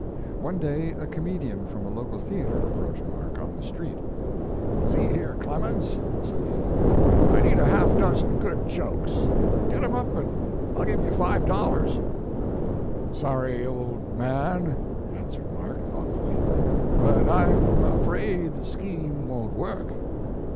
One day a comedian from a local theatre approached Mark on the street; 68 Mark Twain "See here, Clemens," said he, "I need a half dozen good jokes. Get em up and I ll give you five dollars." Sorry, old man," answered Mark, thoughtfully, "but I m afraid the scheme won t work."